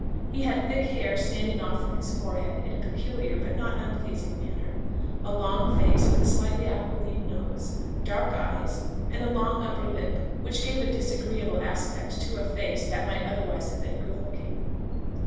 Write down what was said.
He had thick hair standing off from his forehead in a peculiar but not unpleasing manner; a long face, with a slightly aquiline nose, dark eyes, and a long upper lip, which gave a disagreeable aspect to a face that might otherwise have been good looking.